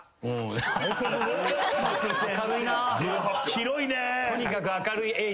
広いね。